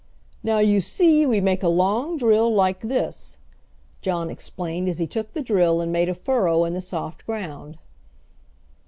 "Now, you see, we make a long drill like this," John explained as he took the drill and made a furrow in the soft ground.